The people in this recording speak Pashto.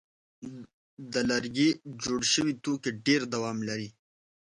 د لرګي جوړ شوي توکي ډېر دوام لري.